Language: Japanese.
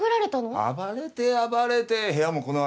暴れて暴れて部屋もこのありさまで。